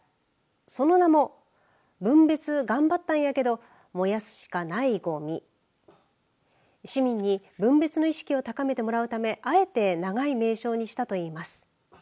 その名も分別頑張ったんやけど燃やすしかないごみ市民に分別の意識を高めてもらうためあえて長い名称にしたといいます。